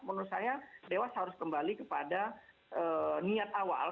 menurut saya dewas harus kembali kepada niat awal